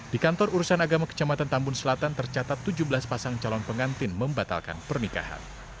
di kantor urusan agama kecamatan tambun selatan tercatat tujuh belas pasang calon pengantin membatalkan pernikahan